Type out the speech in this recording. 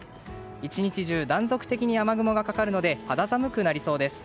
１日中断続的に雨雲がかかるので肌寒くなりそうです。